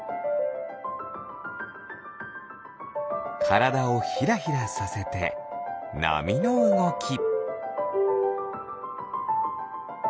からだをヒラヒラさせてなみのうごき。